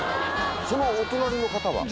そのお隣の方は？